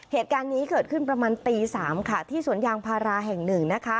เหตุการณ์นี้เกิดขึ้นประมาณตี๓ค่ะที่สวนยางพาราแห่งหนึ่งนะคะ